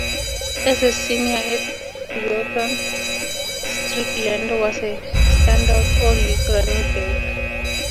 As a senior at Riordan, Strickland was a standout All-League running back.